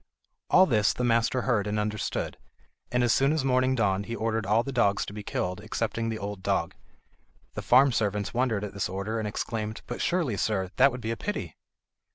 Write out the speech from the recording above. All this the master heard and understood, and as soon as morning dawned he ordered all the dogs to be killed excepting the old dog. The farm servants wondered at this order, and exclaimed: "But surely, sir, that would be a pity?"